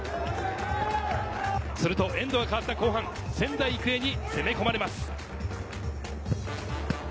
するとエンドが変わった後半、仙台育英に攻め込まれます。